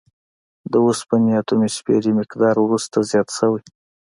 د اوسپنې اتوموسفیري مقدار وروسته زیات شوی.